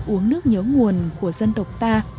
uống nước nhớ nguồn của dân tộc ta